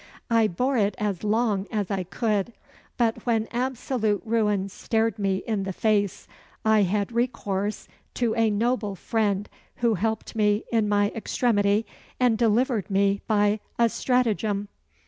I bore it as long as I could, but when absolute ruin stared me in the face, I had recourse to a noble friend who helped me in my extremity and delivered me by a, stratagem."